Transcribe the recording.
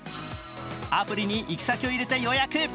アプリに行き先を入れて予約。